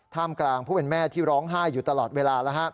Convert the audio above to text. กลางผู้เป็นแม่ที่ร้องไห้อยู่ตลอดเวลา